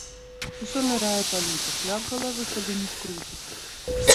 Усё нырае па людзях, як галавы сабе не скруціць.